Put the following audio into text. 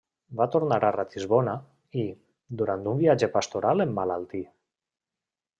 Va tornar a Ratisbona i, durant un viatge pastoral emmalaltí.